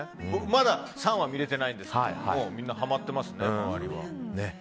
まだ３話見れてないんですけどもみんなはまってますね、周りは。